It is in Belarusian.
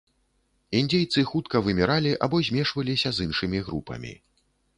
Індзейцы хутка выміралі або змешваліся з іншымі групамі.